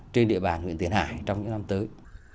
trên địa bàn huyện tiền hải trong những năm tới